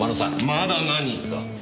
まだ何か？